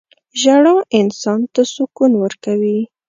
• ژړا انسان ته سکون ورکوي.